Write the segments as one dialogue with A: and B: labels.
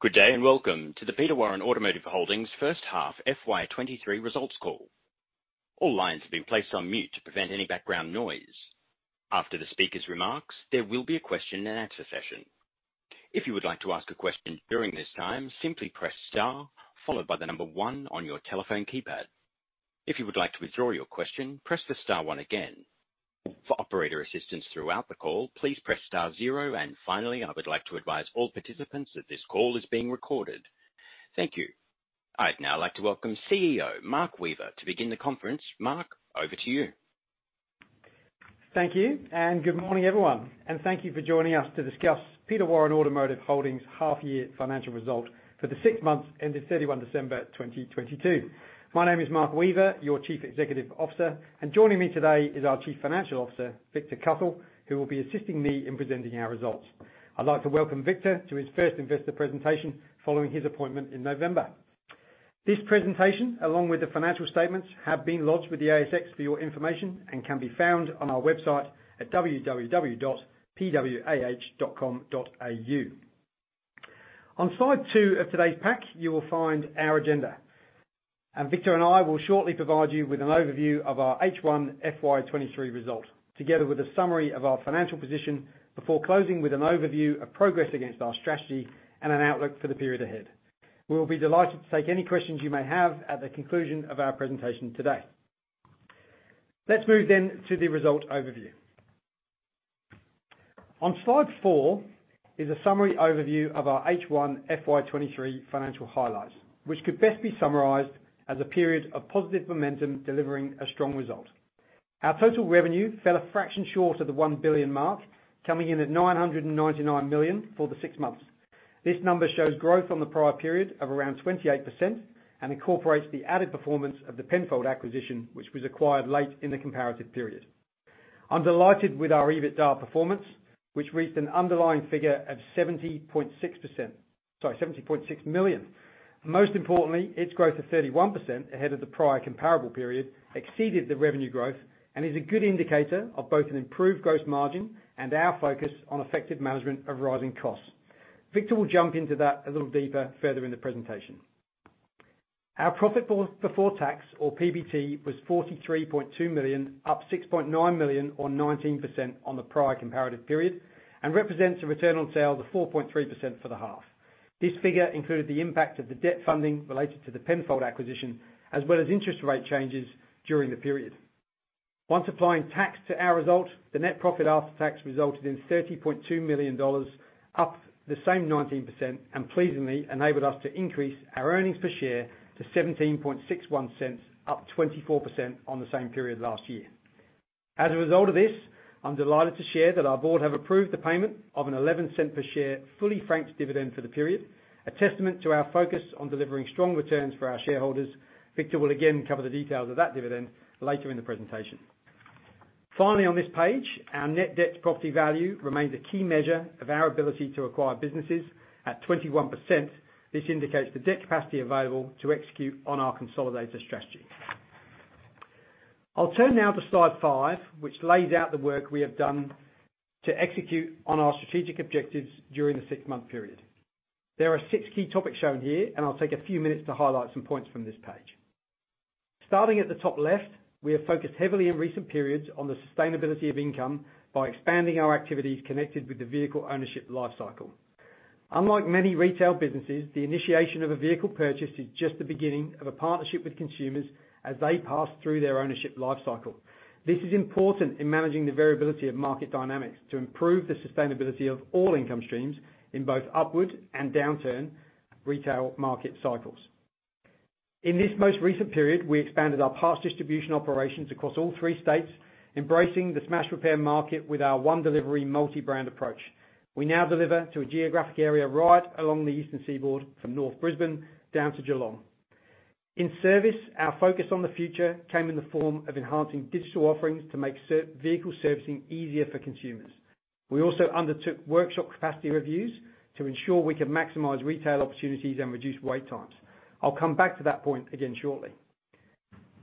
A: Good day, welcome to the Peter Warren Automotive Holdings first half FY23 results call. All lines have been placed on mute to prevent any background noise. After the speaker's remarks, there will be a question and answer session. If you would like to ask a question during this time, simply press star followed by the one on your telephone keypad. If you would like to withdraw your question, press the star one again. For operator assistance throughout the call, please press star zero. Finally, I would like to advise all participants that this call is being recorded. Thank you. I'd now like to welcome CEO Mark Weaver to begin the conference. Mark, over to you.
B: Thank you. Good morning, everyone, and thank you for joining us to discuss Peter Warren Automotive Holdings' half year financial results for the six months ending 31 December 2022. My name is Mark Weaver, your Chief Executive Officer. Joining me today is our Chief Financial Officer, Victor Cuthell, who will be assisting me in presenting our results. I'd like to welcome Victor to his first investor presentation following his appointment in November. This presentation, along with the financial statements, have been lodged with the ASX for your information and can be found on our website at www.pwah.com.au. On slide two of today's pack, you will find our agenda. Victor and I will shortly provide you with an overview of our H1 FY23 results, together with a summary of our financial position before closing with an overview of progress against our strategy and an outlook for the period ahead. We will be delighted to take any questions you may have at the conclusion of our presentation today. Let's move to the result overview. On slide four is a summary overview of our H1 FY23 financial highlights, which could best be summarized as a period of positive momentum delivering a strong result. Our total revenue fell a fraction short of the 1 billion mark, coming in at 999 million for the six months. This number shows growth on the prior period of around 28% and incorporates the added performance of the Penfold acquisition, which was acquired late in the comparative period. I'm delighted with our EBITDA performance, which reached an underlying figure of 70.6% Sorry, 70.6 million. Most importantly, its growth of 31% ahead of the prior comparable period exceeded the revenue growth and is a good indicator of both an improved gross margin and our focus on effective management of rising costs. Victor will jump into that a little deeper further in the presentation. Our profit before tax or PBT was 43.2 million, up 6.9 million or 19% on the prior comparative period, and represents a return on sales of 4.3% for the half. This figure included the impact of the debt funding related to the Penfold acquisition as well as interest rate changes during the period. Once applying tax to our results, the net profit after tax resulted in 30.2 million dollars, up the same 19%, and pleasingly enabled us to increase our earnings per share to 0.1761, up 24% on the same period last year. As a result of this, I'm delighted to share that our board have approved the payment of an 0.11 per share fully franked dividend for the period. A testament to our focus on delivering strong returns for our shareholders. Victor will again cover the details of that dividend later in the presentation. Finally, on this page, our net debt property value remains a key measure of our ability to acquire businesses. At 21%, this indicates the debt capacity available to execute on our consolidator strategy. I'll turn now to slide five, which lays out the work we have done to execute on our strategic objectives during the six-month period. There are six key topics shown here, and I'll take a few minutes to highlight some points from this page. Starting at the top left, we have focused heavily in recent periods on the sustainability of income by expanding our activities connected with the vehicle ownership lifecycle. Unlike many retail businesses, the initiation of a vehicle purchase is just the beginning of a partnership with consumers as they pass through their ownership lifecycle. This is important in managing the variability of market dynamics to improve the sustainability of all income streams in both upward and downturn retail market cycles. In this most recent period, we expanded our parts distribution operations across all three states, embracing the smash repair market with our one delivery multi-brand approach. We now deliver to a geographic area right along the eastern seaboard from North Brisbane down to Geelong. In service, our focus on the future came in the form of enhancing digital offerings to make vehicle servicing easier for consumers. We also undertook workshop capacity reviews to ensure we can maximize retail opportunities and reduce wait times. I'll come back to that point again shortly.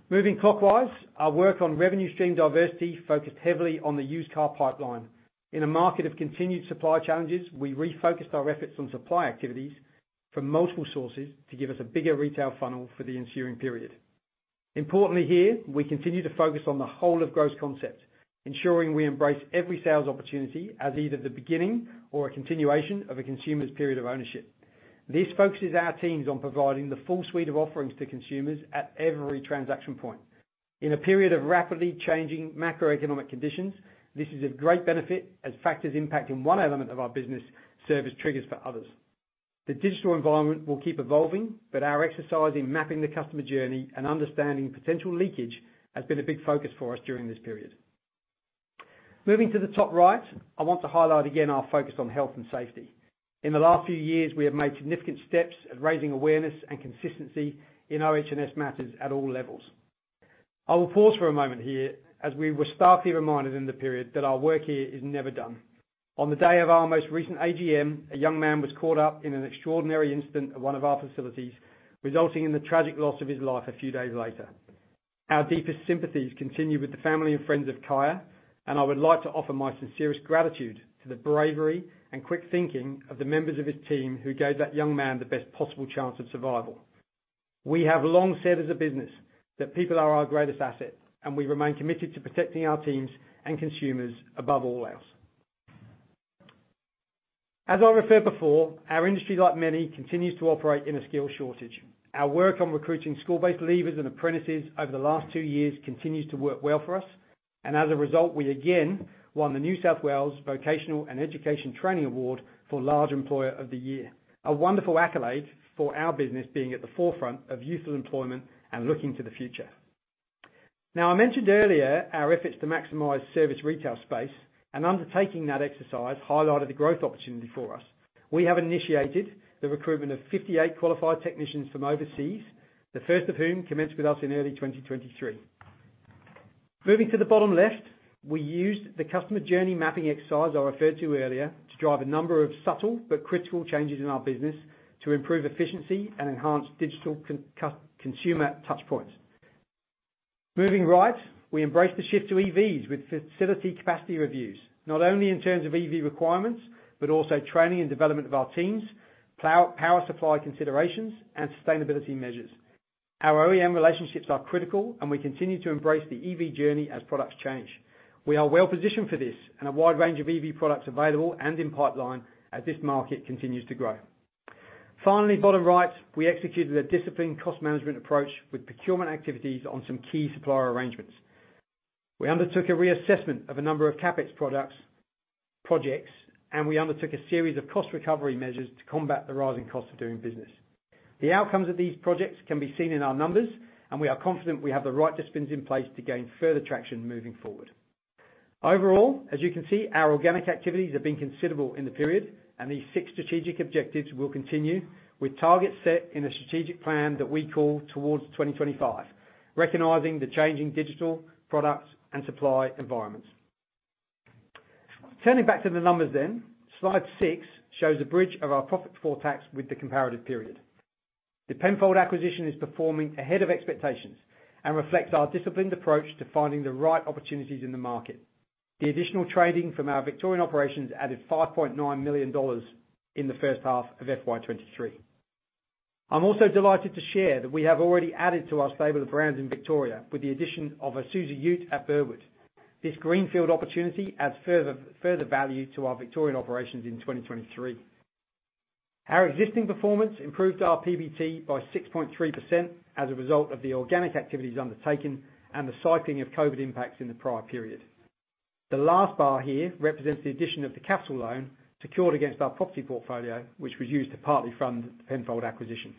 B: Moving clockwise, our work on revenue stream diversity focused heavily on the used car pipeline. In a market of continued supply challenges, we refocused our efforts on supply activities from multiple sources to give us a bigger retail funnel for the ensuing period. Importantly here, we continue to focus on the whole of growth concept, ensuring we embrace every sales opportunity as either the beginning or a continuation of a consumer's period of ownership. This focuses our teams on providing the full suite of offerings to consumers at every transaction point. In a period of rapidly changing macroeconomic conditions, this is of great benefit as factors impacting one element of our business serve as triggers for others. The digital environment will keep evolving, our exercise in mapping the customer journey and understanding potential leakage has been a big focus for us during this period. Moving to the top right, I want to highlight again our focus on health and safety. In the last few years, we have made significant steps at raising awareness and consistency in OH&S matters at all levels. I will pause for a moment here, as we were starkly reminded in the period that our work here is never done. On the day of our most recent AGM, a young man was caught up in an extraordinary incident at one of our facilities, resulting in the tragic loss of his life a few days later. Our deepest sympathies continue with the family and friends of Kaya. I would like to offer my sincerest gratitude to the bravery and quick thinking of the members of his team who gave that young man the best possible chance of survival. We have long said as a business that people are our greatest asset. We remain committed to protecting our teams and consumers above all else. As I referred before, our industry, like many, continues to operate in a skill shortage. Our work on recruiting school-based leavers and apprentices over the last two years continues to work well for us. As a result, we again won the New South Wales Vocational and Education Training Award for Large Employer of the Year, a wonderful accolade for our business being at the forefront of youthful employment and looking to the future. Now, I mentioned earlier our efforts to maximize service retail space and undertaking that exercise highlighted the growth opportunity for us. We have initiated the recruitment of 58 qualified technicians from overseas, the first of whom commenced with us in early twenty twenty-three. Moving to the bottom left, we used the customer journey mapping exercise I referred to earlier to drive a number of subtle but critical changes in our business to improve efficiency and enhance digital consumer touchpoints. Moving right, we embrace the shift to EVs with facility capacity reviews, not only in terms of EV requirements, but also training and development of our teams, power supply considerations and sustainability measures. Our OEM relationships are critical, and we continue to embrace the EV journey as products change. We are well positioned for this and a wide range of EV products available and in pipeline as this market continues to grow. Finally, bottom right, we executed a disciplined cost management approach with procurement activities on some key supplier arrangements. We undertook a reassessment of a number of CapEx projects, and we undertook a series of cost recovery measures to combat the rising cost of doing business. The outcomes of these projects can be seen in our numbers, and we are confident we have the right disciplines in place to gain further traction moving forward. Overall, as you can see, our organic activities have been considerable in the period, and these six strategic objectives will continue with targets set in a strategic plan that we call Towards 2025, recognizing the changing digital products and supply environments. Turning back to the numbers, Slide six shows a bridge of our profit before tax with the comparative period. The Penfold acquisition is performing ahead of expectations and reflects our disciplined approach to finding the right opportunities in the market. The additional trading from our Victorian operations added 5.9 million dollars in the first half of FY23. I'm also delighted to share that we have already added to our stable of brands in Victoria with the addition of Isuzu UTE at Burwood. This greenfield opportunity adds further value to our Victorian operations in 2023. Our existing performance improved our PBT by 6.3% as a result of the organic activities undertaken and the cycling of COVID impacts in the prior period. The last bar here represents the addition of the capital loan secured against our property portfolio, which was used to partly fund Penfold acquisition.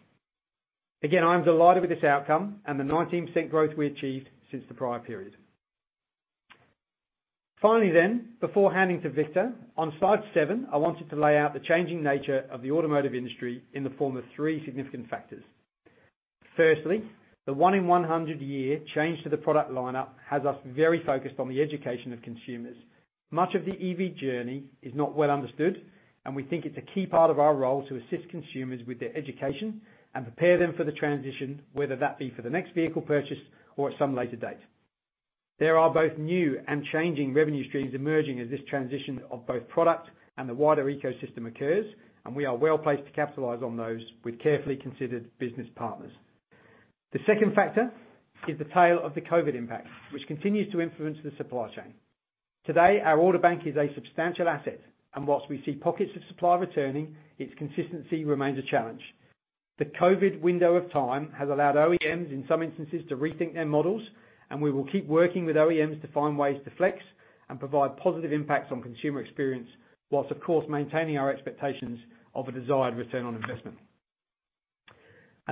B: I am delighted with this outcome and the 19% growth we achieved since the prior period. Before handing to Victor, on slide seven, I wanted to lay out the changing nature of the automotive industry in the form of three significant factors. Firstly, the one in 100 year change to the product lineup has us very focused on the education of consumers. Much of the EV journey is not well understood, and we think it's a key part of our role to assist consumers with their education and prepare them for the transition, whether that be for the next vehicle purchase or at some later date. There are both new and changing revenue streams emerging as this transition of both product and the wider ecosystem occurs, and we are well-placed to capitalize on those with carefully considered business partners. The second factor is the tail of the COVID impact, which continues to influence the supply chain. Today, our order bank is a substantial asset, and whilst we see pockets of supply returning, its consistency remains a challenge. The COVID window of time has allowed OEMs, in some instances, to rethink their models. We will keep working with OEMs to find ways to flex and provide positive impacts on consumer experience, while of course maintaining our expectations of a desired return on investment.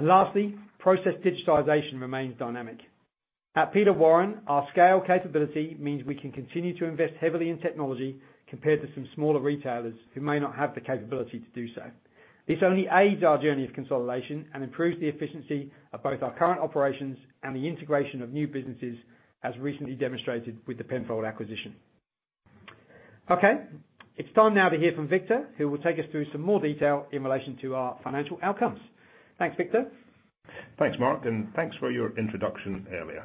B: Lastly, process digitization remains dynamic. At Peter Warren, our scale capability means we can continue to invest heavily in technology compared to some smaller retailers who may not have the capability to do so. This only aids our journey of consolidation and improves the efficiency of both our current operations and the integration of new businesses, as recently demonstrated with the Penfold acquisition. Okay. It's time now to hear from Victor, who will take us through some more detail in relation to our financial outcomes. Thanks, Victor.
C: Thanks, Mark, and thanks for your introduction earlier.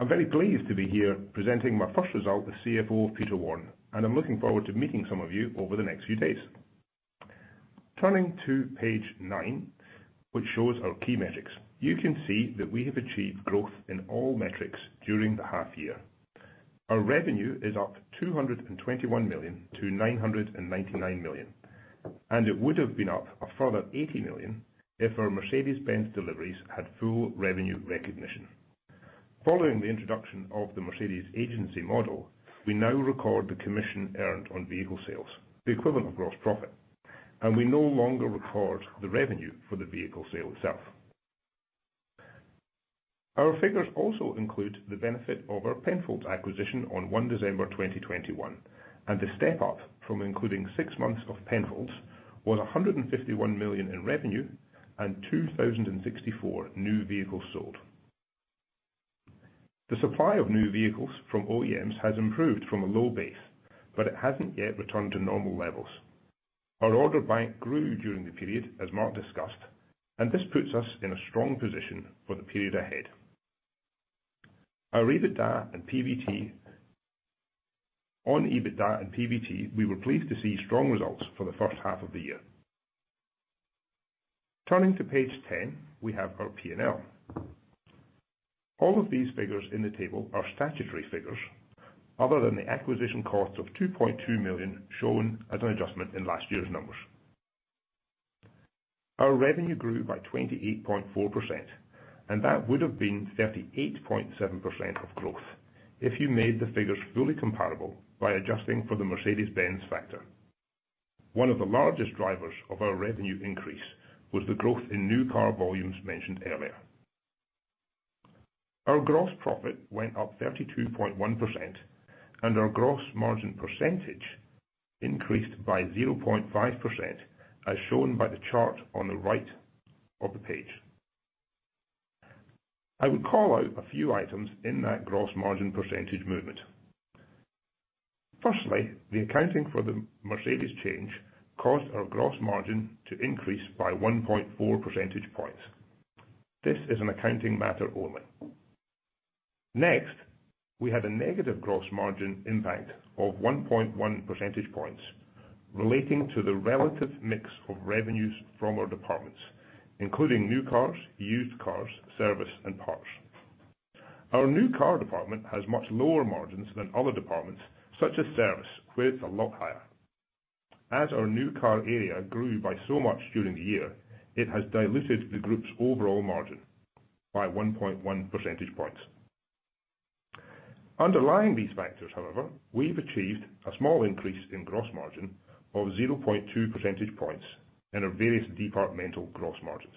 C: I'm very pleased to be here presenting my first result as CFO of Peter Warren, and I'm looking forward to meeting some of you over the next few days. Turning to page nine, which shows our key metrics. You can see that we have achieved growth in all metrics during the half year. Our revenue is up 221 million to 999 million, and it would have been up a further 80 million if our Mercedes-Benz deliveries had full revenue recognition. Following the introduction of the Mercedes agency model, we now record the commission earned on vehicle sales, the equivalent of gross profit, and we no longer record the revenue for the vehicle sale itself. Our figures also include the benefit of our Penfold acquisition on 1 December 2021. The step up from including six months of Penfold's was 151 million in revenue and 2,064 new vehicles sold. The supply of new vehicles from OEMs has improved from a low base, but it hasn't yet returned to normal levels. Our order bank grew during the period, as Mark discussed. This puts us in a strong position for the period ahead. On EBITDA and PBT, we were pleased to see strong results for the first half of the year. Turning to page 10, we have our P&L. All of these figures in the table are statutory figures other than the acquisition cost of 2.2 million shown as an adjustment in last year's numbers. Our revenue grew by 28.4%. That would have been 38.7% of growth if you made the figures fully comparable by adjusting for the Mercedes-Benz factor. One of the largest drivers of our revenue increase was the growth in new car volumes mentioned earlier. Our gross profit went up 32.1% and our gross margin percentage increased by 0.5%, as shown by the chart on the right of the page. I would call out a few items in that gross margin percentage movement. Firstly, the accounting for the Mercedes change caused our gross margin to increase by 1.4% points. This is an accounting matter only. We had a negative gross margin impact of 1.1% points relating to the relative mix of revenues from our departments, including new cars, used cars, service, and parts. Our new car department has much lower margins than other departments such as service, where it's a lot higher. Our new car area grew by so much during the year, it has diluted the group's overall margin by 1.1% points. Underlying these factors, however, we've achieved a small increase in gross margin of 0.2% points in our various departmental gross margins.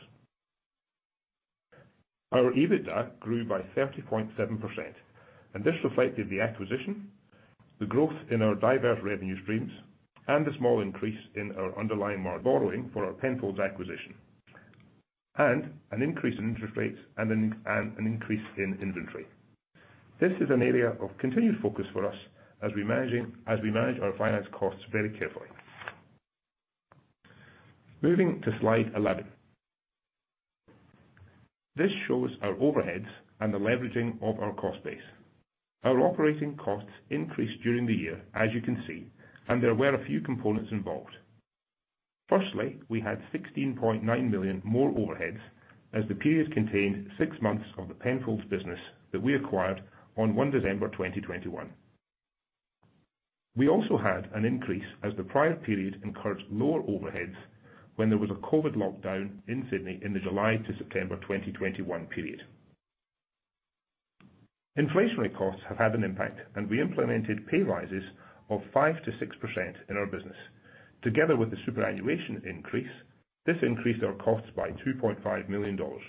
C: Our EBITDA grew by 30.7%, this reflected the acquisition, the growth in our diverse revenue streams, and the small increase in our underlying borrowing for our Penfolds acquisition, and an increase in interest rates and an increase in inventory. This is an area of continued focus for us as we manage our finance costs very carefully. Moving to slide 11. This shows our overheads and the leveraging of our cost base. Our operating costs increased during the year, as you can see, and there were a few components involved. Firstly, we had 16.9 million more overheads as the period contained six months of the Penfolds business that we acquired on 1 December 2021. We also had an increase as the prior period encouraged lower overheads when there was a COVID lockdown in Sydney in the July to September 2021 period. Inflationary costs have had an impact, and we implemented pay rises of 5%-6% in our business. Together with the superannuation increase, this increased our costs by 2.5 million dollars.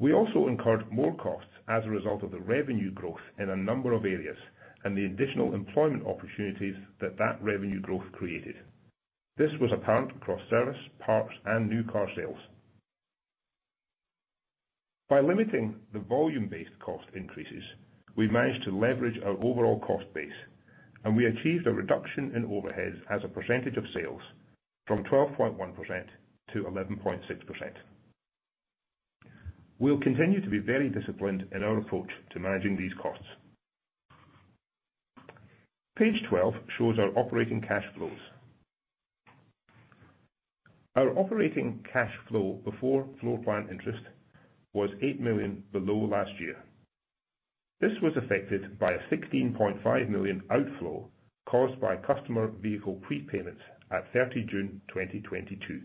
C: We also incurred more costs as a result of the revenue growth in a number of areas and the additional employment opportunities that that revenue growth created. This was apparent across service, parts, and new car sales. By limiting the volume-based cost increases, we managed to leverage our overall cost base and we achieved a reduction in overheads as a percentage of sales from 12.1%-1.6%. We'll continue to be very disciplined in our approach to managing these costs. Page 12 shows our operating cash flows. Our operating cash flow before floor plan interest was 8 million below last year. This was affected by an 16.5 million outflow caused by customer vehicle prepayments at June 30, 2022.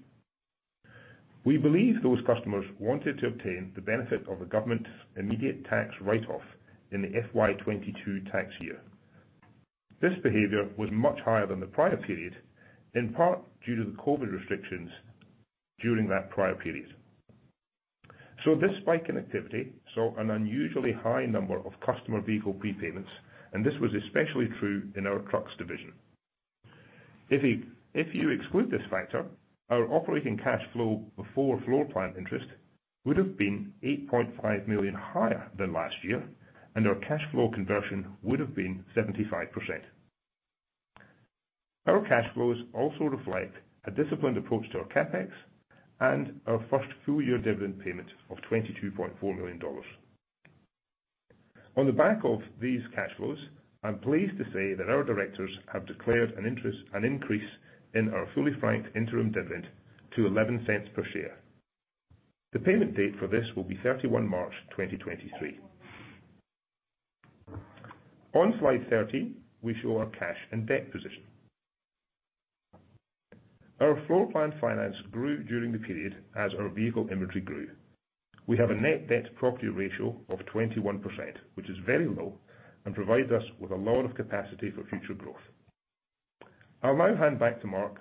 C: We believe those customers wanted to obtain the benefit of the government's immediate tax write-off in the FY22 tax year. This behavior was much higher than the prior period, in part due to the COVID restrictions during that prior period. This spike in activity saw an unusually high number of customer vehicle prepayments. This was especially true in our trucks division. If you exclude this factor, our operating cash flow before floor plan interest would have been 8.5 million higher than last year. Our cash flow conversion would have been 75%. Our cash flows also reflect a disciplined approach to our CapEx and our first full-year dividend payment of 22.4 million dollars. On the back of these cash flows, I'm pleased to say that our directors have declared an increase in our fully franked interim dividend to 0.11 per share. The payment date for this will be 31 March 2023. On slide 13, we show our cash and debt position. Our floor plan finance grew during the period as our vehicle inventory grew. We have a net debt property ratio of 21%, which is very low and provides us with a lot of capacity for future growth. I'll now hand back to Mark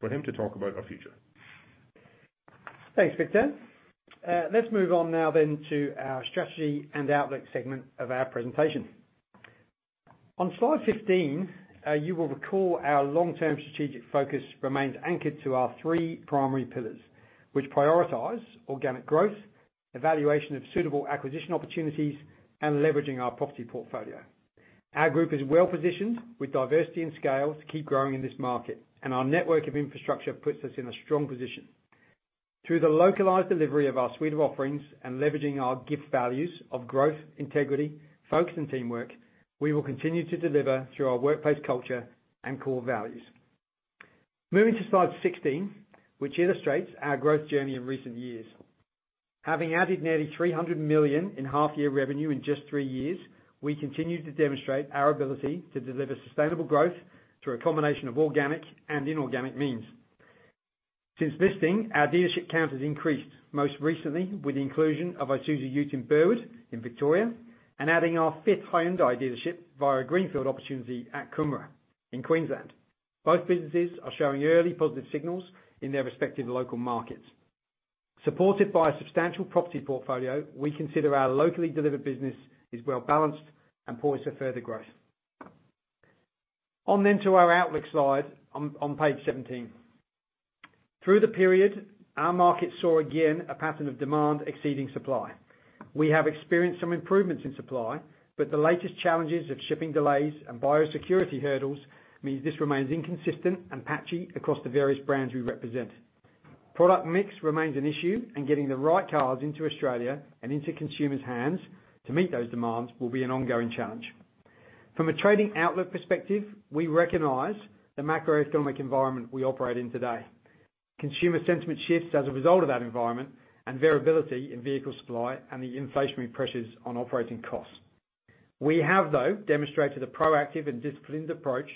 C: for him to talk about our future.
B: Thanks, Victor. Let's move on now then to our strategy and outlook segment of our presentation. On slide 15, you will recall our long-term strategic focus remains anchored to our three primary pillars, which prioritize organic growth, evaluation of suitable acquisition opportunities, and leveraging our property portfolio. Our group is well positioned with diversity and scale to keep growing in this market, and our network of infrastructure puts us in a strong position. Through the localized delivery of our suite of offerings and leveraging our GIFT values of growth, integrity, focus, and teamwork, we will continue to deliver through our workplace culture and core values. Moving to slide 16, which illustrates our growth journey in recent years. Having added nearly 300 million in half-year revenue in just three years, we continue to demonstrate our ability to deliver sustainable growth through a combination of organic and inorganic means. Since listing, our dealership count has increased, most recently with the inclusion of Isuzu UTE in Burwood, in Victoria, and adding our fifth Hyundai dealership via a greenfield opportunity at Coomera in Queensland. Both businesses are showing early positive signals in their respective local markets. Supported by a substantial property portfolio, we consider our locally delivered business is well balanced and poised for further growth. To our outlook slide on page 17. Through the period, our market saw again a pattern of demand exceeding supply. We have experienced some improvements in supply, but the latest challenges of shipping delays and biosecurity hurdles means this remains inconsistent and patchy across the various brands we represent. Product mix remains an issue, and getting the right cars into Australia and into consumers' hands to meet those demands will be an ongoing challenge. From a trading outlook perspective, we recognize the macroeconomic environment we operate in today. Consumer sentiment shifts as a result of that environment and variability in vehicle supply and the inflationary pressures on operating costs. We have, though, demonstrated a proactive and disciplined approach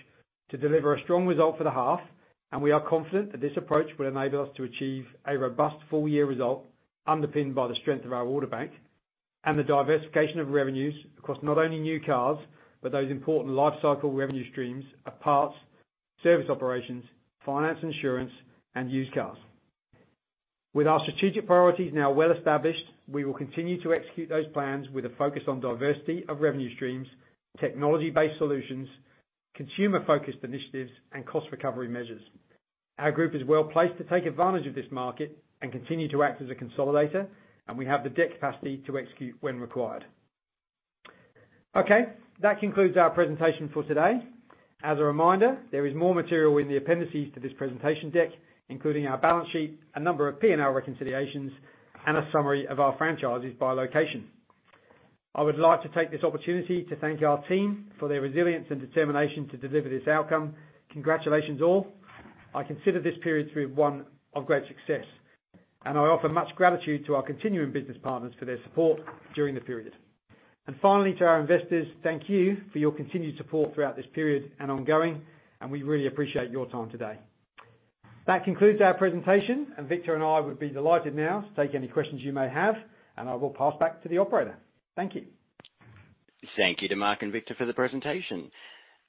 B: to deliver a strong result for the half, and we are confident that this approach will enable us to achieve a robust full-year result underpinned by the strength of our order bank and the diversification of revenues across not only new cars, but those important lifecycle revenue streams of parts, service operations, finance insurance, and used cars. With our strategic priorities now well established, we will continue to execute those plans with a focus on diversity of revenue streams, technology-based solutions, consumer-focused initiatives, and cost recovery measures. Our group is well-placed to take advantage of this market and continue to act as a consolidator. We have the debt capacity to execute when required. Okay, that concludes our presentation for today. As a reminder, there is more material in the appendices to this presentation deck, including our balance sheet, a number of P&L reconciliations, and a summary of our franchises by location. I would like to take this opportunity to thank our team for their resilience and determination to deliver this outcome. Congratulations, all. I consider this period one of great success. I offer much gratitude to our continuing business partners for their support during the period. Finally, to our investors, thank you for your continued support throughout this period and ongoing. We really appreciate your time today. That concludes our presentation. Victor and I would be delighted now to take any questions you may have, and I will pass back to the operator. Thank you.
A: Thank you to Mark and Victor for the presentation.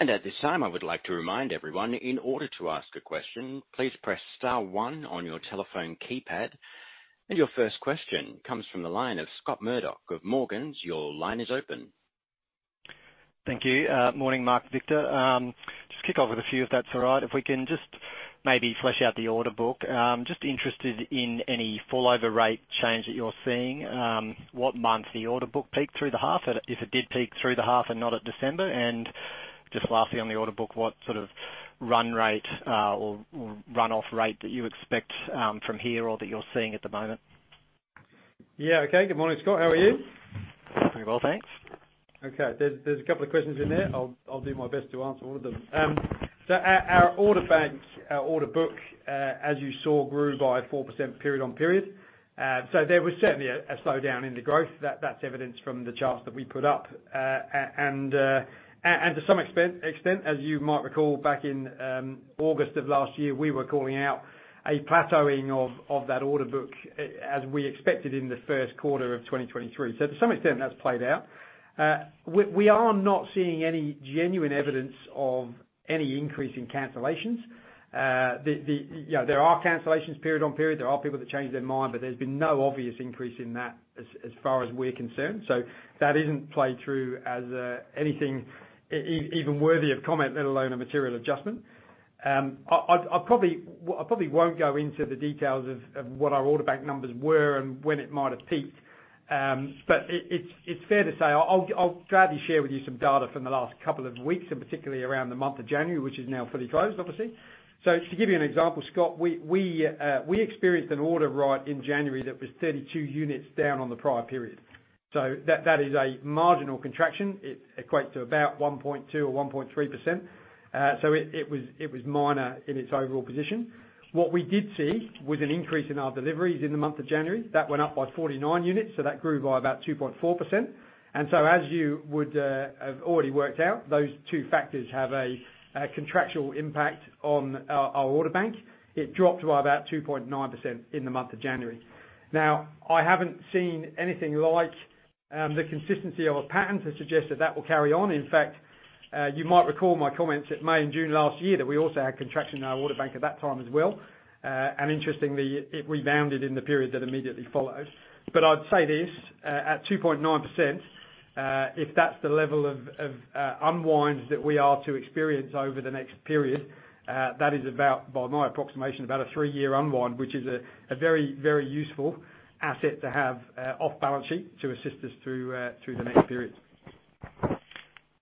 A: At this time, I would like to remind everyone in order to ask a question, please press star one on your telephone keypad. Your first question comes from the line of Scott Murdoch of Morgans. Your line is open.
D: Thank you. Morning, Mark and Victor. Just kick off with a few, if that's all right. If we can just maybe flesh out the order book. Just interested in any fallover rate change that you're seeing, what month the order book peaked through the half, if it did peak through the half and not at December, and just lastly on the order book, what sort of run rate, or runoff rate that you expect, from here or that you're seeing at the moment?
B: Yeah. Okay. Good morning, Scott. How are you?
D: Pretty well, thanks.
B: Okay. There's a couple of questions in there. I'll do my best to answer all of them. Our, our order bank, our order book, as you saw, grew by 4% period-on-period. There was certainly a slowdown in the growth. That's evidence from the charts that we put up. And to some extent, as you might recall, back in August of last year, we were calling out a plateauing of that order book as we expected in the first quarter of 2023. To some extent that's played out. We are not seeing any genuine evidence of any increase in cancellations. The, you know, there are cancellations period on period. There are people that change their mind, but there's been no obvious increase in that as far as we're concerned. That isn't played through as anything even worthy of comment, let alone a material adjustment. I probably won't go into the details of what our order bank numbers were and when it might have peaked. But it's fair to say I'll gladly share with you some data from the last couple of weeks, and particularly around the month of January, which is now fully closed, obviously. Just to give you an example, Scott, we experienced an order write in January that was 32 units down on the prior period. That is a marginal contraction. It equates to about 1.2% or 1.3%. It was minor in its overall position. What we did see was an increase in our deliveries in the month of January. That went up by 49 units, so that grew by about 2.4%. As you would have already worked out, those two factors have a contractual impact on our order bank. It dropped by about 2.9% in the month of January. I haven't seen anything like the consistency of a pattern to suggest that that will carry on. In fact, you might recall my comments at May and June last year that we also had contraction in our order bank at that time as well. Interestingly, it rebounded in the period that immediately followed. I'd say this, at 2.9%, if that's the level of unwind that we are to experience over the next period, that is about, by my approximation, about a three-year unwind, which is a very useful asset to have off balance sheet to assist us through the next periods.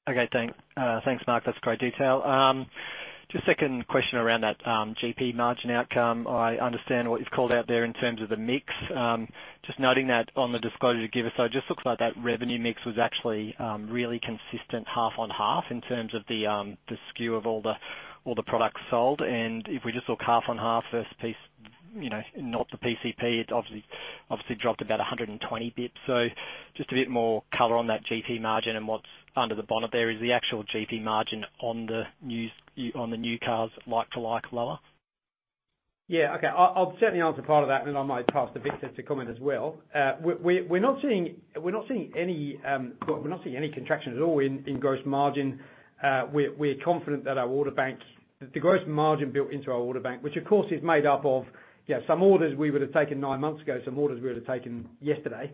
D: Okay, thanks. Thanks, Mark. That's great detail. Just second question around that GP margin outcome. I understand what you've called out there in terms of the mix. Just noting that on the disclosure you gave us, it just looks like that revenue mix was actually really consistent half on half in terms of the SKU of all the products sold. If we just look half on half, first piece, you know, not the PCP, it obviously dropped about 120 BPS. Just a bit more color on that GP margin and what's under the bonnet there. Is the actual GP margin on the new cars like to like lower?
B: Yeah. Okay. I'll certainly answer part of that, and then I might pass to Victor to comment as well. We're not seeing any, we're not seeing any contraction at all in gross margin. We're confident that our order bank. The gross margin built into our order bank, which of course is made up of some orders we would have taken nine months ago, some orders we would have taken yesterday.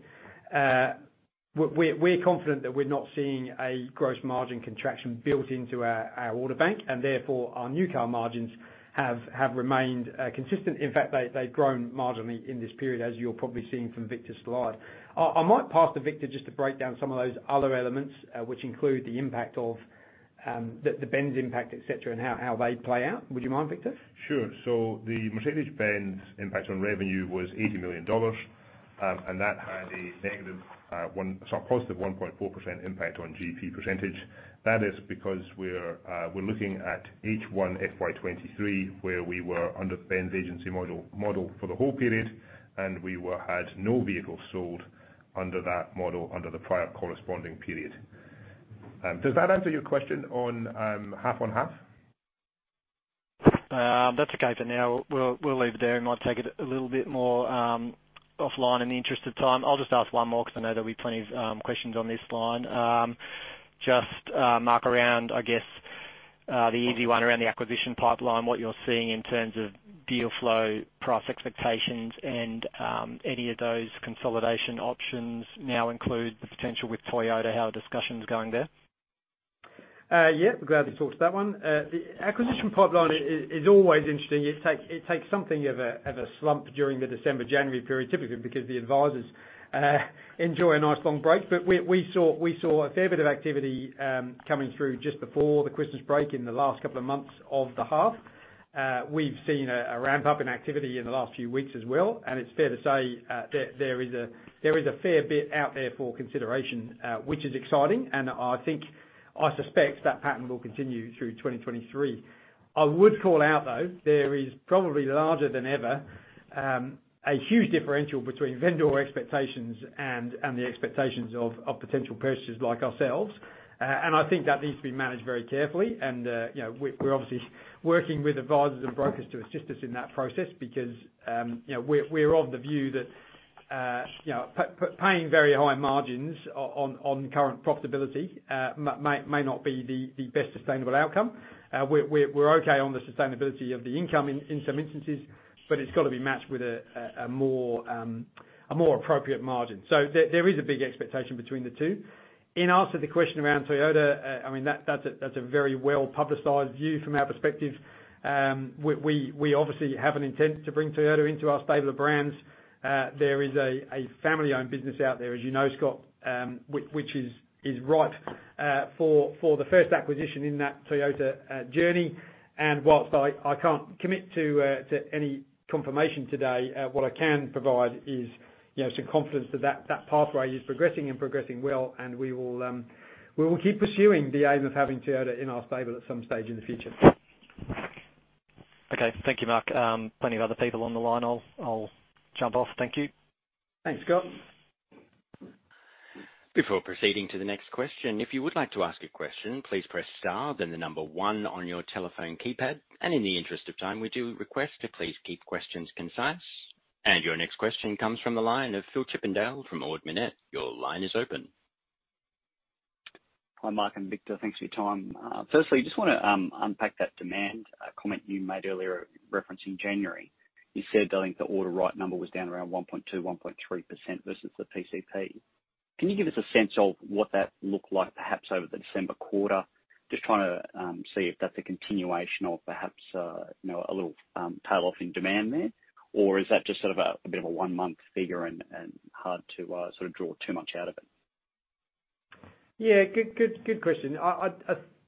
B: We're confident that we're not seeing a gross margin contraction built into our order bank, and therefore, our new car margins have remained consistent. In fact, they've grown marginally in this period, as you're probably seeing from Victor's slide. I might pass to Victor just to break down some of those other elements, which include the impact of the Mercedes-Benz impact, et cetera, and how they play out. Would you mind, Victor?
C: Sure. The Mercedes-Benz impact on revenue was 80 million dollars. That had a positive 1.4% impact on GP percentage. That is because we're looking at H1 FY23, where we were under Benz agency model for the whole period, and we had no vehicles sold under that model under the prior corresponding period. Does that answer your question on half-on-half?
D: That's okay for now. We'll leave it there. We might take it a little bit more offline in the interest of time. I'll just ask one more because I know there'll be plenty of questions on this line. Just Mark around, I guess, the easy one around the acquisition pipeline, what you're seeing in terms of deal flow, price expectations, and any of those consolidation options now include the potential with Toyota, how are discussions going there?
B: Yeah, glad to talk to that one. The acquisition pipeline is always interesting. It takes something of a slump during the December-January period, typically because the advisors enjoy a nice long break. We saw a fair bit of activity coming through just before the Christmas break in the last couple of months of the half. We've seen a ramp-up in activity in the last few weeks as well, and it's fair to say, there is a fair bit out there for consideration, which is exciting, and I think, I suspect that pattern will continue through 2023. I would call out, though, there is probably larger than ever, a huge differential between vendor expectations and the expectations of potential purchasers like ourselves. I think that needs to be managed very carefully. you know, we're obviously working with advisors and brokers to assist us in that process because, you know, we're of the view that, you know, paying very high margins on current profitability may not be the best sustainable outcome. We're okay on the sustainability of the income in some instances, but it's got to be matched with a more appropriate margin. There is a big expectation between the two. In answer to the question around Toyota, I mean, that's a very well-publicized view from our perspective. We obviously have an intent to bring Toyota into our stable of brands. There is a family-owned business out there, as you know, Scott, which is ripe for the first acquisition in that Toyota journey. Whilst I can't commit to any confirmation today, what I can provide is, you know, some confidence that pathway is progressing and progressing well, and we will keep pursuing the aim of having Toyota in our stable at some stage in the future.
D: Okay. Thank you, Mark. plenty of other people on the line. I'll jump off. Thank you.
B: Thanks, Scott.
A: Before proceeding to the next question, if you would like to ask a question, please press star, then the number one on your telephone keypad. In the interest of time, we do request to please keep questions concise. Your next question comes from the line of Phil Chippindale from Ord Minnett. Your line is open.
E: Hi, Mark and Victor. Thanks for your time. Firstly, I just wanna unpack that demand comment you made earlier referencing January. You said, I think the order right number was down around 1.2%, 1.3% versus the PCP. Can you give us a sense of what that looked like perhaps over the December quarter? Just trying to see if that's a continuation or perhaps, you know, a little tail off in demand there? Is that just sort of a bit of a one-month figure and hard to sort of draw too much out of it?
B: Yeah. Good question. I,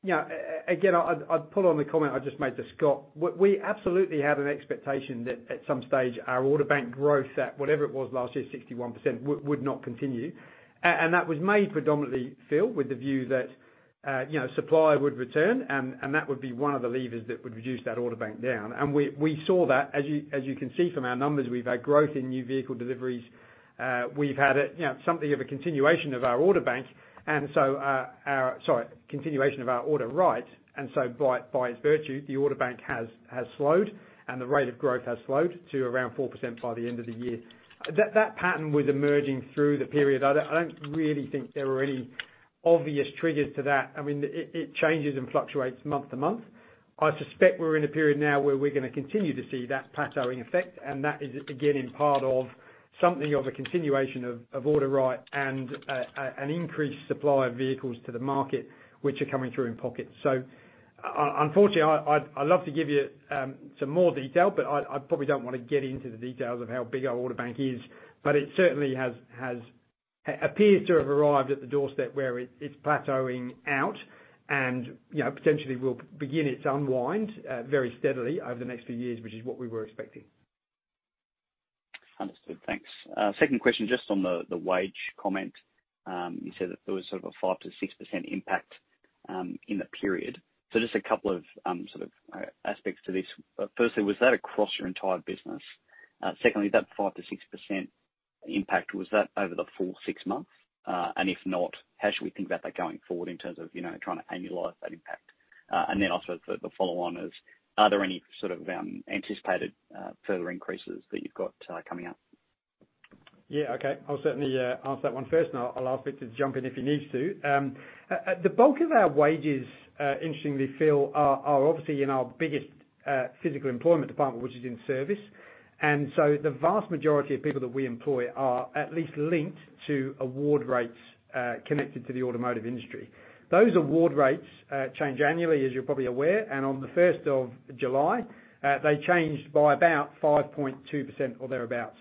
B: you know, again, I'd pull on the comment I just made to Scott. We absolutely had an expectation that at some stage our order bank growth at whatever it was last year, 61%, would not continue. That was made predominantly, Phil, with the view that, you know, supply would return and that would be one of the levers that would reduce that order bank down. We saw that. As you can see from our numbers, we've had growth in new vehicle deliveries. We've had a, you know, something of a continuation of our order bank. Sorry, continuation of our order rights. By its virtue, the order bank has slowed and the rate of growth has slowed to around 4% by the end of the year. That pattern was emerging through the period. I don't really think there were any obvious triggers to that. I mean, it changes and fluctuates month to month. I suspect we're in a period now where we're gonna continue to see that plateauing effect, and that is again, in part of something of a continuation of order right, and an increased supply of vehicles to the market, which are coming through in pockets. Unfortunately, I'd love to give you some more detail, but I probably don't wanna get into the details of how big our order bank is. It certainly appears to have arrived at the doorstep where it's plateauing out and, you know, potentially will begin its unwind very steadily over the next few years, which is what we were expecting.
E: Understood. Thanks. second question, just on the wage comment. you said that there was sort of a 5%-6% impact, in the period. Just a couple of, sort of, aspects to this. Firstly, was that across your entire business? secondly, that 5%-6% impact, was that over the full six months? If not, how should we think about that going forward in terms of, you know, trying to annualize that impact? Then also the follow on is, are there any sort of, anticipated, further increases that you've got, coming up?
B: Yeah. Okay. I'll certainly answer that one first, and I'll ask Victor to jump in if he needs to. The bulk of our wages, interestingly, Phil, are obviously in our biggest physical employment department, which is in service. The vast majority of people that we employ are at least linked to award rates, connected to the automotive industry. Those award rates change annually, as you're probably aware. On the 1st of July, they changed by about 5.2% or thereabout.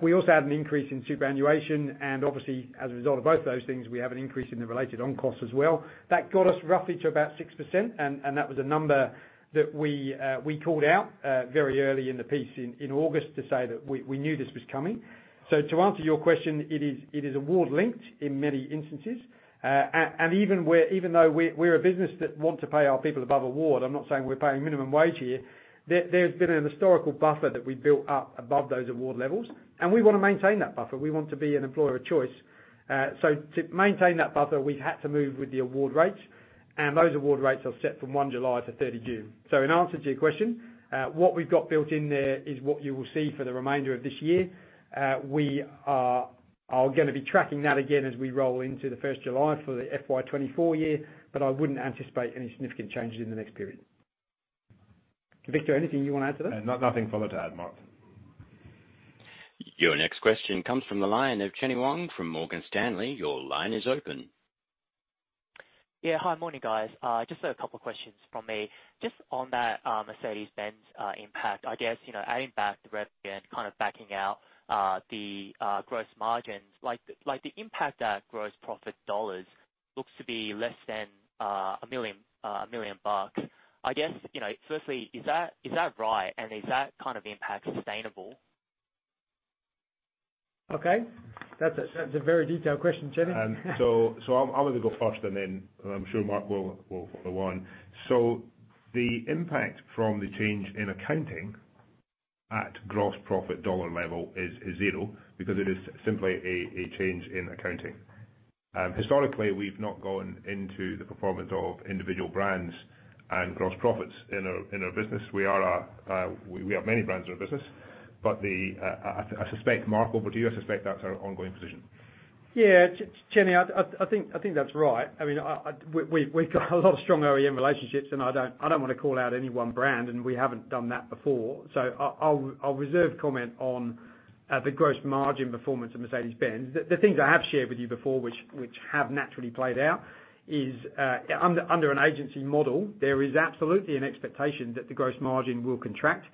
B: We also had an increase in superannuation, and obviously, as a result of both those things, we have an increase in the related on-cost as well. That got us roughly to about 6%, and that was a number that we called out very early in the piece in August to say that we knew this was coming. To answer your question, it is, it is award-linked in many instances. Even where even though we're a business that want to pay our people above award, I'm not saying we're paying minimum wage here, there's been an historical buffer that we built up above those award levels, and we wanna maintain that buffer. We want to be an employer of choice. To maintain that buffer, we've had to move with the award rates, and those award rates are set from 1 July to 30 June. In answer to your question, what we've got built in there is what you will see for the remainder of this year. We are gonna be tracking that again as we roll into the 1st July for the FY24 year, I wouldn't anticipate any significant changes in the next period. Victor, anything you wanna add to that?
C: nothing further to add, Mark.
A: Your next question comes from the line of Chenny Wang from Morgan Stanley. Your line is open.
F: Yeah. Hi. Morning, guys. Just a couple of questions from me. Just on that Mercedes-Benz impact. I guess, you know, adding back the revenue and kind of backing out the gross margins, like, the impact at gross profit dollars looks to be less than 1 million bucks. I guess, you know, firstly, is that right? Is that kind of impact sustainable?
B: Okay. That's a very detailed question, Chenny.
C: I'll, I'm gonna go first, and then I'm sure Mark will go on. The impact from the change in accounting at gross profit dollar level is zero because it is simply a change in accounting. Historically, we've not gone into the performance of individual brands and gross profits in our business. We are we have many brands in our business, but you suspect that's our ongoing position.
B: Chenny, I think, I think that's right. I mean, We've got a lot of strong OEM relationships, and I don't, I don't wanna call out any one brand, and we haven't done that before. I'll reserve comment on the gross margin performance of Mercedes-Benz. The things I have shared with you before, which have naturally played out is under an agency model, there is absolutely an expectation that the gross margin will contract,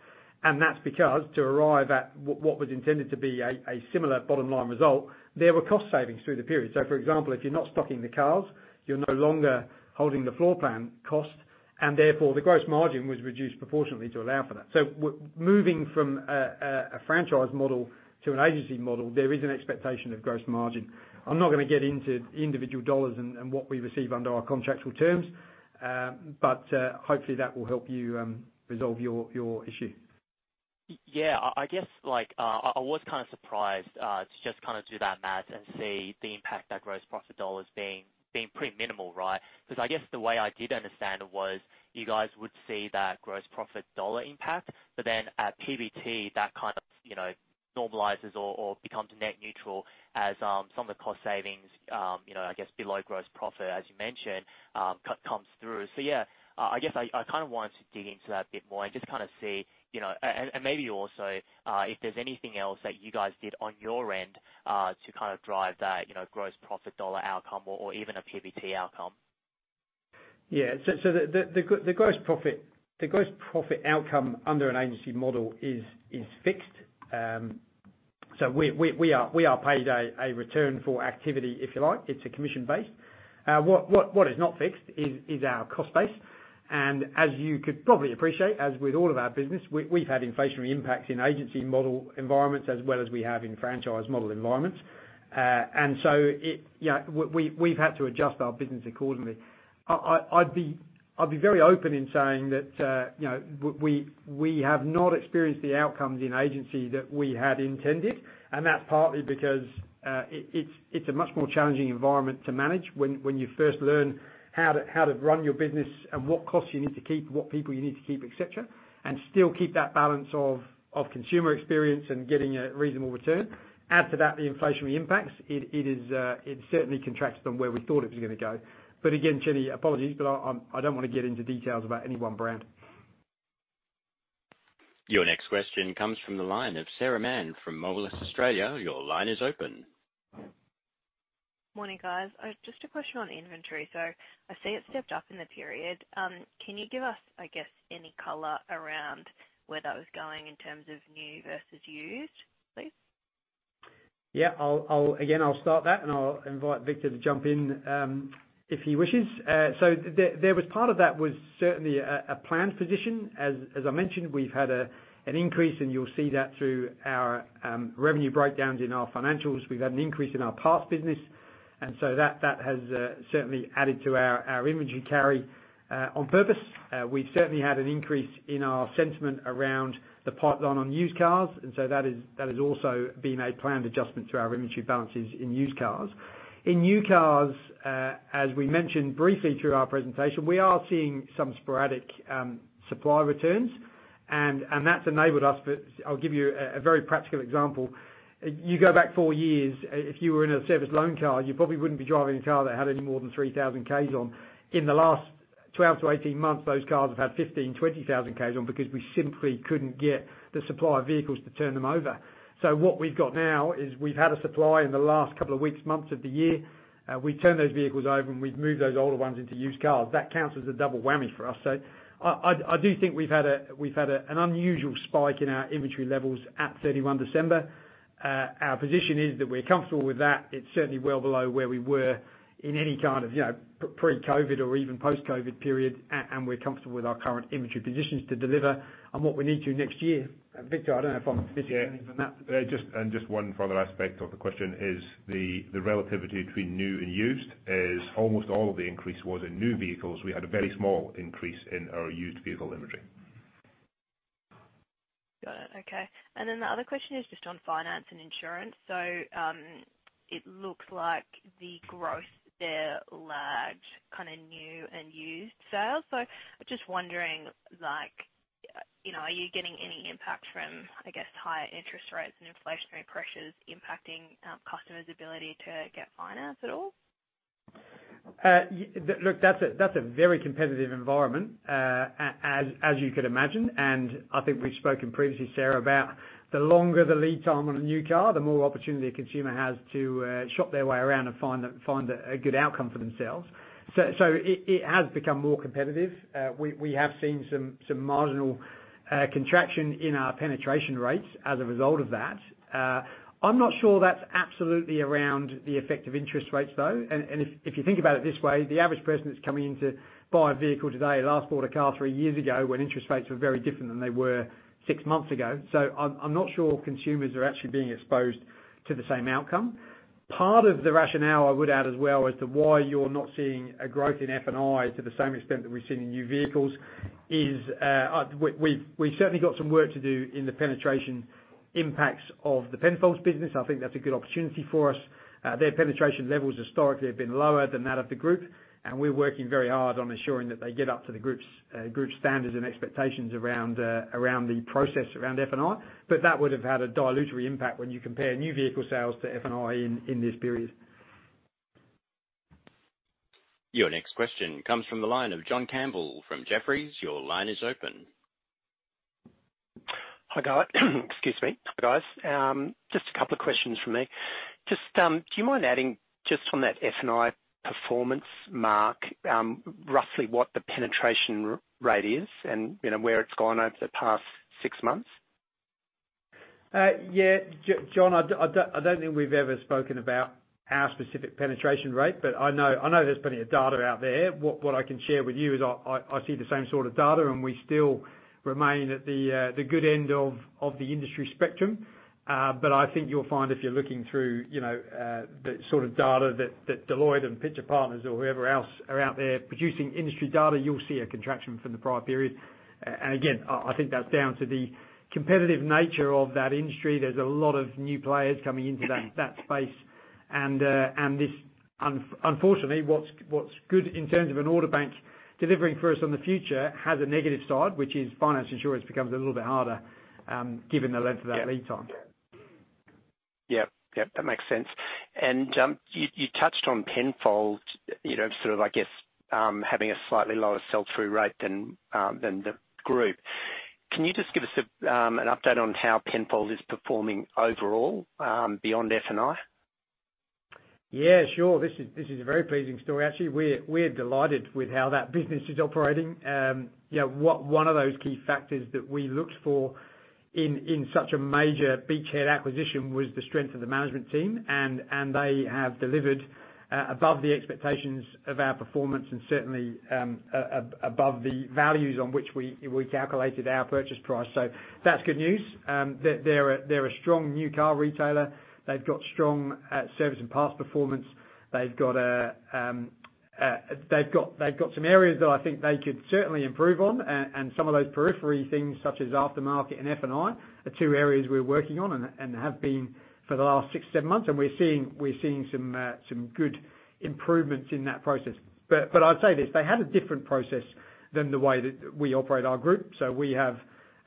B: and that's because to arrive at what was intended to be a similar bottom line result, there were cost savings through the period. For example, if you're not stocking the cars, you're no longer holding the floor plan cost, and therefore the gross margin was reduced proportionately to allow for that. Moving from a franchise model to an agency model, there is an expectation of gross margin. I'm not gonna get into individual dollars and what we receive under our contractual terms, but hopefully that will help you resolve your issue.
F: Yeah. I guess, like, I was kind of surprised to just kind of do that math and see the impact that gross profit dollar is being pretty minimal, right? 'Cause I guess the way I did understand it was you guys would see that gross profit dollar impact, but then at PBT, that kind of, you know, normalizes or becomes net neutral as some of the cost savings, you know, I guess below gross profit, as you mentioned, comes through. Yeah, I guess I kind of want to dig into that a bit more and just kind of see, you know... Maybe also, if there's anything else that you guys did on your end to kind of drive that, you know, gross profit dollar outcome or even a PBT outcome.
B: The gross profit outcome under an agency model is fixed. We are paid a return for activity, if you like. It's a commission base. What is not fixed is our cost base. As you could probably appreciate, as with all of our business, we've had inflationary impacts in agency model environments as well as we have in franchise model environments. You know, we've had to adjust our business accordingly. I'd be very open in saying that, you know, we have not experienced the outcomes in agency that we had intended, and that's partly because it's a much more challenging environment to manage when you first learn how to run your business and what costs you need to keep, what people you need to keep, et cetera, and still keep that balance of consumer experience and getting a reasonable return. Add to that the inflationary impacts, it is certainly contracts from where we thought it was gonna go. Again, Chenny, apologies, but I'm, I don't wanna get into details about any one brand.
A: Your next question comes from the line of Sarah Mann from Moelis Australia. Your line is open.
G: Morning, guys. Just a question on inventory. I see it stepped up in the period. Can you give us, I guess, any color around where that was going in terms of new versus used, please?
B: Yeah. I'll again, I'll start that, and I'll invite Victor to jump in if he wishes. There was part of that was certainly a planned position. As I mentioned, we've had an increase, and you'll see that through our revenue breakdowns in our financials. We've had an increase in our parts business. That has certainly added to our imagery carry on purpose. We've certainly had an increase in our sentiment around the pipeline on used cars, and so that has also been a planned adjustment to our imagery balances in used cars. In new cars, as we mentioned briefly through our presentation, we are seeing some sporadic supply returns. That's enabled us, but I'll give you a very practical example. You go back four years, if you were in a service loan car, you probably wouldn't be driving a car that had any more than 3,000 Ks on. In the last 12-18 months, those cars have had 15,000, 20,000 Ks on because we simply couldn't get the supply of vehicles to turn them over. What we've got now is we've had a supply in the last couple of weeks, months of the year. We turn those vehicles over, and we've moved those older ones into used cars. That counts as a double whammy for us. I do think we've had an unusual spike in our inventory levels at 31 December. Our position is that we're comfortable with that. It's certainly well below where we were in any kind of, you know, pre-COVID or even post-COVID period. We're comfortable with our current inventory positions to deliver on what we need to next year. Victor, I don't know if I'm missing anything from that?
C: Yeah. Just, and just one further aspect of the question is the relativity between new and used is almost all of the increase was in new vehicles. We had a very small increase in our used vehicle inventory.
G: Got it. Okay. The other question is just on finance and insurance. It looks like the growth there lagged kind of new and used sales. Just wondering, like, you know, are you getting any impact from, I guess, higher interest rates and inflationary pressures impacting customers' ability to get finance at all?
B: Look, that's a very competitive environment, as you could imagine. I think we've spoken previously, Sarah, about the longer the lead time on a new car, the more opportunity a consumer has to shop their way around and find a good outcome for themselves. It has become more competitive. We have seen some marginal contraction in our penetration rates as a result of that. I'm not sure that's absolutely around the effect of interest rates, though. If you think about it this way, the average person that's coming in to buy a vehicle today last bought a car three years ago when interest rates were very different than they were six months ago. I'm not sure consumers are actually being exposed to the same outcome. Part of the rationale I would add as well as to why you're not seeing a growth in F&I to the same extent that we're seeing in new vehicles is, we've certainly got some work to do in the penetration impacts of the Penfold's business. I think that's a good opportunity for us. Their penetration levels historically have been lower than that of the group, and we're working very hard on ensuring that they get up to the group's standards and expectations around the process around F&I. That would have had a dilutory impact when you compare new vehicle sales to F&I in this period.
A: Your next question comes from the line of John Campbell from Jefferies. Your line is open.
H: Hi, guys. Excuse me. Hi, guys. Just a couple of questions from me. Just, do you mind adding just on that F&I performance Mark, roughly what the penetration rate is and, you know, where it's gone over the past six months?
B: Yeah. John, I don't, I don't think we've ever spoken about our specific penetration rate, but I know there's plenty of data out there. What I can share with you is I see the same sort of data, and we still remain at the good end of the industry spectrum. But I think you'll find if you're looking through, you know, the sort of data that Deloitte and Pitcher Partners or whoever else are out there producing industry data, you'll see a contraction from the prior period. Again, I think that's down to the competitive nature of that industry. There's a lot of new players coming into that space. Unfortunately, what's good in terms of an auto bank delivering for us on the future has a negative side, which is finance insurance becomes a little bit harder, given the length of that lead time.
H: Yeah. Yeah. That makes sense. You, you touched on Penfold, you know, sort of, I guess, having a slightly lower sell-through rate than the group. Can you just give us an update on how Penfold is performing overall, beyond F&I?
B: Yeah, sure. This is a very pleasing story actually. We're delighted with how that business is operating. You know, one of those key factors that we looked for in such a major beachhead acquisition was the strength of the management team, and they have delivered above the expectations of our performance and certainly above the values on which we calculated our purchase price. That's good news. They're a strong new car retailer. They've got strong service and parts performance. They've got some areas that I think they could certainly improve on and some of those periphery things such as aftermarket and F&I are two areas we're working on and have been for the last six, seven months. We're seeing some good improvements in that process. I'd say this, they had a different process than the way that we operate our group. We have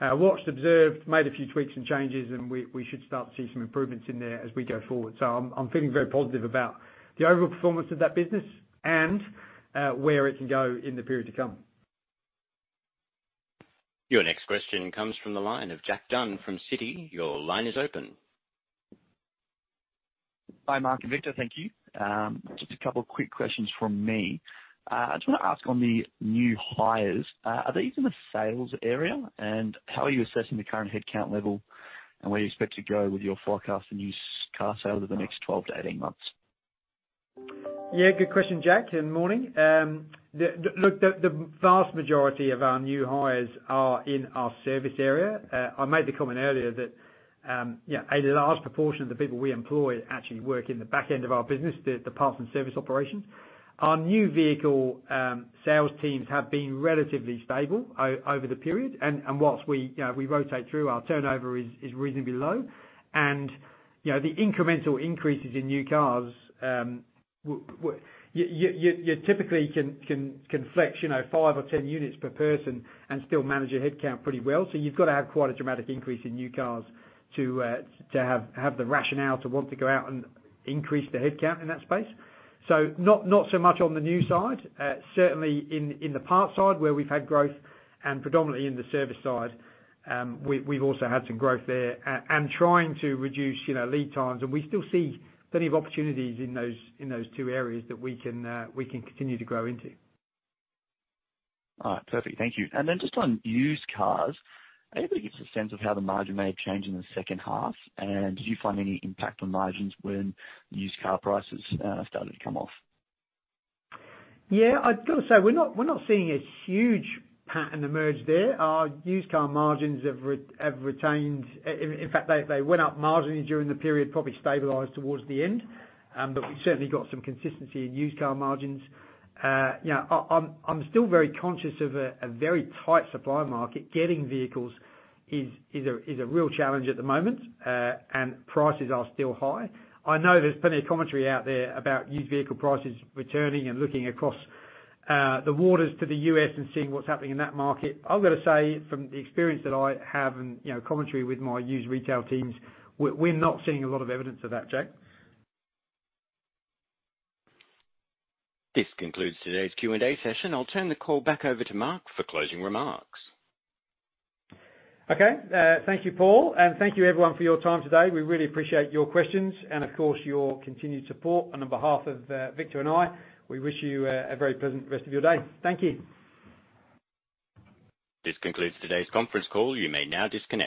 B: watched, observed, made a few tweaks and changes, and we should start to see some improvements in there as we go forward. I'm feeling very positive about the overall performance of that business and where it can go in the period to come.
A: Your next question comes from the line of Jack Dunn from Citi. Your line is open.
I: Hi, Mark and Victor. Thank you. Just a couple of quick questions from me. I just wanna ask on the new hires, are these in the sales area? How are you assessing the current headcount level, and where do you expect to go with your forecast for used car sales over the next 12-18 months?
B: Yeah, good question, Jack. Morning. Look, the vast majority of our new hires are in our service area. I made the comment earlier that, yeah, a large proportion of the people we employ actually work in the back end of our business, the parts and service operations. Our new vehicle sales teams have been relatively stable over the period. Whilst we, you know, we rotate through, our turnover is reasonably low. You know, the incremental increases in new cars, you typically can flex, you know, five or 10 units per person and still manage your headcount pretty well. You've gotta have quite a dramatic increase in new cars to have the rationale to want to go out and increase the headcount in that space. Not so much on the new side. Certainly in the parts side where we've had growth and predominantly in the service side, we've also had some growth there. Trying to reduce, you know, lead times. We still see plenty of opportunities in those, in those two areas that we can continue to grow into.
I: All right. Perfect. Thank you. Then just on used cars, are you able to give us a sense of how the margin may have changed in the second half? Did you find any impact on margins when used car prices started to come off?
B: I've gotta say, we're not seeing a huge pattern emerge there. Our used car margins have retained. In fact, they went up marginally during the period. Probably stabilized towards the end. We've certainly got some consistency in used car margins. I'm still very conscious of a very tight supply market. Getting vehicles is a real challenge at the moment. Prices are still high. I know there's plenty of commentary out there about used vehicle prices returning and looking across the waters to the U.S. and seeing what's happening in that market. I've gotta say from the experience that I have and, you know, commentary with my used retail teams, we're not seeing a lot of evidence of that, Jack.
A: This concludes today's Q&A session. I'll turn the call back over to Mark for closing remarks.
B: Okay. Thank you, Paul, and thank you everyone for your time today. We really appreciate your questions and of course your continued support. On behalf of Victor and I, we wish you a very pleasant rest of your day. Thank you.
A: This concludes today's conference call. You may now disconnect.